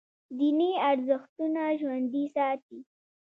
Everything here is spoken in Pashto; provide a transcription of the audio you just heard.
دیني ارزښتونه ژوندي ساتي.